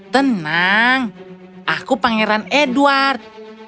tenang aku pangeran edward